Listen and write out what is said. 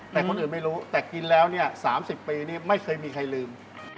แต่คนอื่นไม่รู้แต่กินแล้วเนี่ย๓๐ปีนี้ไม่เคยมีใครลืม